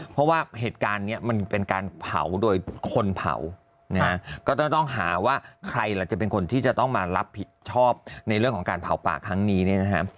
เพราะว่าเหตุการณ์นี้มันเป็นการเผาโดยคนเผานะฮะก็ต้องหาว่าใครล่ะจะเป็นคนที่จะต้องมารับผิดชอบในเรื่องของการเผาป่าครั้งนี้เนี่ยนะฮะ